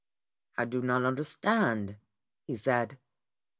"I do not understand," he said.